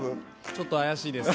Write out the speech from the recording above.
ちょっと怪しいです。